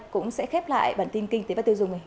cũng sẽ khép lại bản tin kinh tế và tiêu dùng